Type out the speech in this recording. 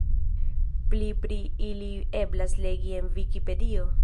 Pli pri ili eblas legi en Vikipedio.